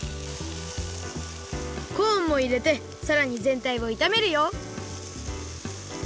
コーンもいれてさらにぜんたいをいためるよ